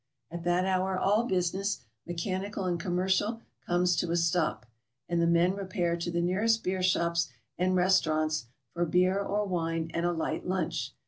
At that hour all business, mechanica;! and commercial, comes to a stop; and the men repair to the nearest beer shops aud restaurants for beer or wine and a light lunch.